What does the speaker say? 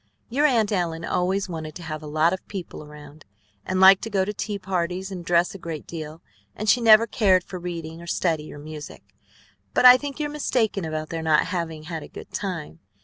Your Aunt Ellen always wanted to have a lot of people around, and liked to go to tea parties and dress a great deal; and she never cared for reading or study or music. But I think you're mistaken about their not having had a good time.